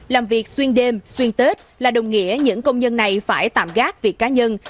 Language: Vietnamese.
làm việc xuyên đêm xuyên tết là đồng nghĩa những công nhân này phải tạm gác việc cá nhân